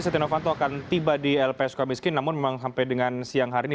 setia novanto akan tiba di lp suka miskin namun memang sampai dengan siang hari ini